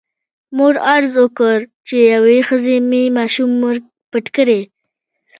مور عرض وکړ چې یوې ښځې مې ماشوم پټ کړی.